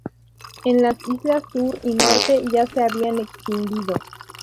En las islas Sur y Norte ya se habían extinguido.